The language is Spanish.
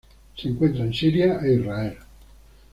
Se encuentra en Siria e Israel.